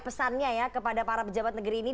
pesannya ya kepada para pejabat negeri ini